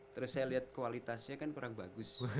terus saya lihat kualitasnya kan kurang bagus